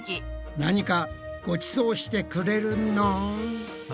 何かごちそうしてくれるのん？